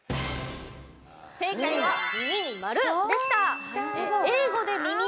正解は、耳に丸でした。